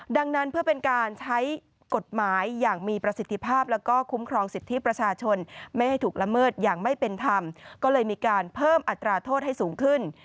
ดังมืดอย่างไม่เป็นธรรมก็เลยมีการเพิ่มอัตราโทษให้สูงขึ้น